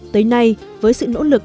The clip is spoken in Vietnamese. tới nay với sự nỗ lực